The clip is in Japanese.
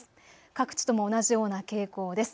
各地とも同じような傾向です。